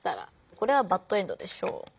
これはバッドエンドでしょう。